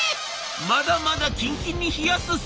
「まだまだキンキンに冷やすっす！」。